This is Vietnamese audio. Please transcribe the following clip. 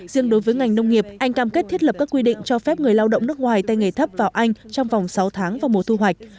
riêng đối với ngành nông nghiệp anh cam kết thiết lập các quy định cho phép người lao động nước ngoài tay nghề thấp vào anh trong vòng sáu tháng vào mùa thu hoạch